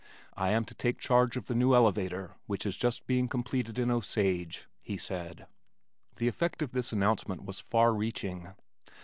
"I am to take charge of the new elevator which is just being completed in Osage," he said. The effect of this announcement was far reaching.